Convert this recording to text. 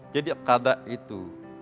jadi kadak itu